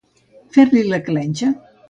Fer-li la clenxa.